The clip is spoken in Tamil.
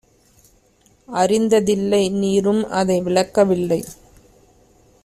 அறிந்ததில்லை; நீரும்அதை விளக்க வில்லை.